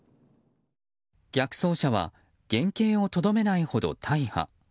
逆走車は原形をとどめないほど大破。